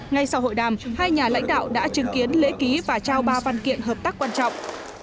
ngay sau hội đàm hai nhà lãnh đạo đã chứng kiến lễ ký và trao ba văn kiện hợp tác quan trọng